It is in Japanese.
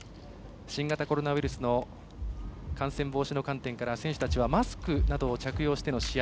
新型コロナウイルスの感染防止の観点から選手たちはマスクなどを着用しての試合